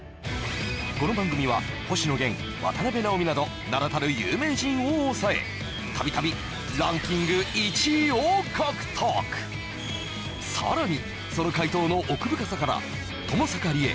この番組は星野源渡辺直美など名だたる有名人をおさえ度々ランキング１位を獲得さらにその回答の奥深さからともさかりえ